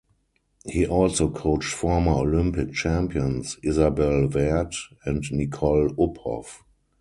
He also coached former Olympic champions Isabell Werth and Nicole Uphoff.